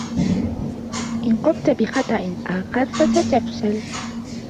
إن قمت بخطئ آخر ، فستفشل.